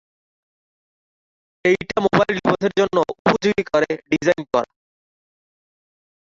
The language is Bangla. এটা মোবাইল ডিভাইসের জন্য উপযোগী করে ডিজাইন করা।